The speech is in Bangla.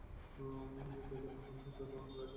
কিন্তু সন্ত্রাসী কার্যক্রম প্রায়শঃই সংঘটিত হয়েছিল।